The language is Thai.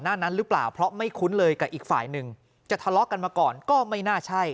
หน้านั้นหรือเปล่าเพราะไม่คุ้นเลยกับอีกฝ่ายหนึ่งจะทะเลาะกันมาก่อนก็ไม่น่าใช่